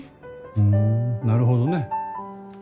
ふんなるほどね。